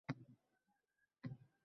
Ayol uning boshini siladi: